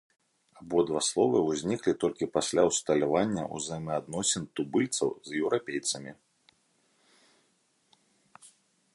Абодва словы ўзніклі толькі пасля ўсталявання ўзаемаадносін тубыльцаў з еўрапейцамі.